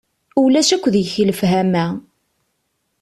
Ulac akk deg-k lefhama.